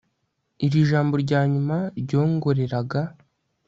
iri jambo rya nyuma ryongoreraga